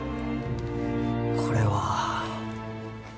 これは。